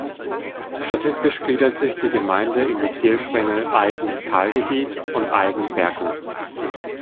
Statistisch gliedert sich die Gemeinde in die Zählsprengel "Aigen-Talgebiet" und "Aigen-Bergland".